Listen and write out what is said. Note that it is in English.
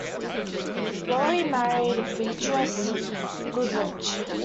Lowry married Beatrice Goodrich.